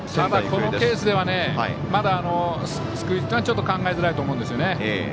このケースではまだ、スクイズっていうのは考えづらいと思うんですよね。